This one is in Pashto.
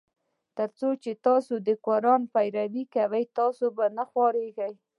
تر څو چي تاسي د قرآن پیروي کوی تاسي به نه خوارېږی.